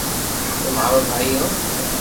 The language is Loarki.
تو مارو ڀائي ھو